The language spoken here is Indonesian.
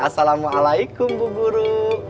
assalamualaikum bu guru